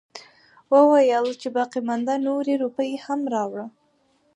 وويلې چې باقيمانده نورې روپۍ هم راوړه.